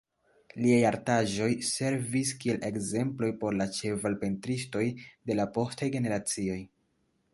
Liaj artaĵoj servis kiel ekzemploj por la ĉeval-pentristoj de la postaj generacioj.